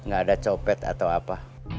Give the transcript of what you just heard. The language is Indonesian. gak ada copet atau apa